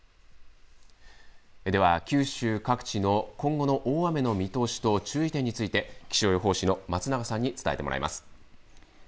では、九州各地の今後の大雨の見通しと注意点について、気象予報士の松永さんに伝えてもらいます。